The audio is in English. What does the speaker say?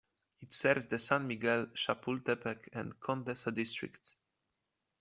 It serves the San Miguel Chapultepec and Condesa districts.